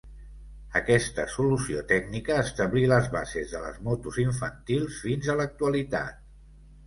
Aquesta solució tècnica establí les bases de les motos infantils fins a l'actualitat.